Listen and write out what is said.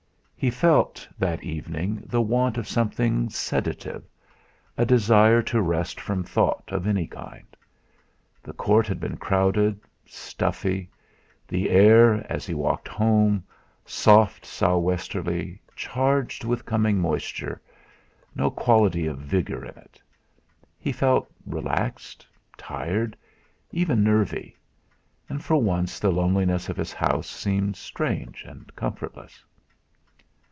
He felt, that evening, the want of something sedative, a desire to rest from thought of any kind. The court had been crowded, stuffy; the air, as he walked home, soft, sou' westerly, charged with coming moisture, no quality of vigour in it; he felt relaxed, tired, even nervy, and for once the loneliness of his house seemed strange and comfortless.